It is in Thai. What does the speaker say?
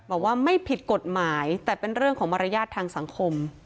บอกว่าไม่ผิดกฎหมายแต่เป็นเรื่องของมารยาททางสังคม